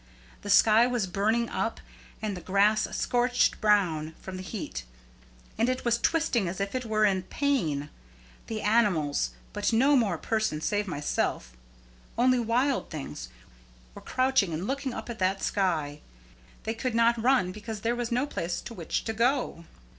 The sky was burning up, and the grass scorched brown from the heat, and it was twisting as if it were in pain. And animals, but no other person save myself, only wild things, were crouching and looking up at that sky. They could not run because there was no place to which to go."